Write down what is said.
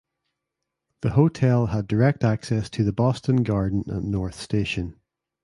The hotel had direct access to the Boston Garden and North Station.